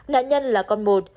nạn nhân là con một